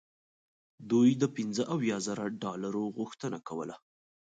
دوی د پنځه اویا زره ډالرو غوښتنه کوله.